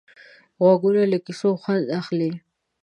غوږونه له کیسو خوند اخلي